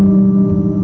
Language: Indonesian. aku mau ke rumah